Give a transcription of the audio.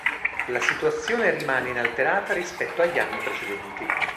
La situazione rimane inalterata rispetto agli anni precedenti.